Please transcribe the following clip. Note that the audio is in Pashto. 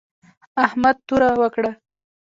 احمد توره وکړه